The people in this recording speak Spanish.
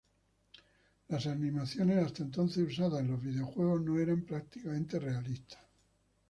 Las animaciones hasta entonces usadas en los videojuegos no eran prácticamente realistas.